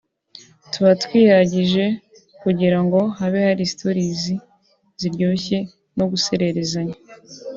tuba twihagije kugira ngo habe hari Stories ziryoshye no gusererezanya